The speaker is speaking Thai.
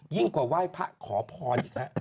กว่าไหว้พระขอพรอีกฮะ